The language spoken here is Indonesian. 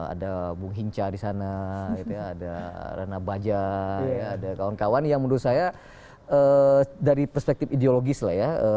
ada bung hinca di sana ada rana baja ada kawan kawan yang menurut saya dari perspektif ideologis lah ya